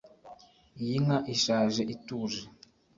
iyi nka ishaje ituje,